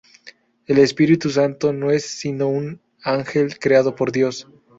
El Espíritu Santo no es sino un ángel creado por Dios.